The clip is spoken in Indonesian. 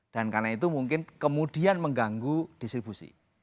dan karena itu mungkin kemudian mengganggu distribusi